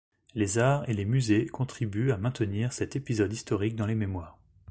Les arts et les musées contribuent à maintenir cet épisode historique dans les mémoires.